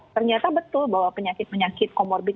ternyata betul bahwa penyakit penyakit comorbid